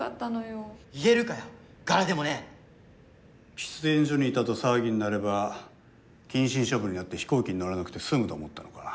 喫煙所にいたと騒ぎになれば謹慎処分になって飛行機に乗らなくて済むと思ったのか。